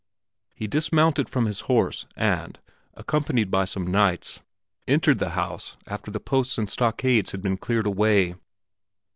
He dismounted from his horse and, accompanied by some knights, entered the house after the posts and stockades had been cleared away.